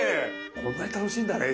こんなに楽しいんだね